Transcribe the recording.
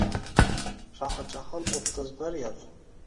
Shohi Jahon o’ttiz bir yil